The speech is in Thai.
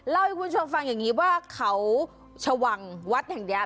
เล่าให้คุณผู้ชมฟังอย่างนี้ว่าเขาชวังวัดแห่งเนี้ย